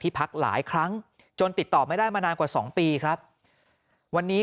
พักหลายครั้งจนติดต่อไม่ได้มานานกว่า๒ปีครับวันนี้